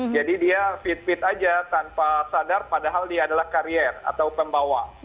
dia fit fit aja tanpa sadar padahal dia adalah karier atau pembawa